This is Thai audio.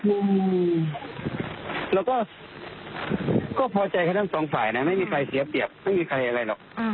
เราก็พอใจเขาทั้งสองฝ่ายนะไม่มีใครเสียเปรียบไม่มีใครอะไรหรอก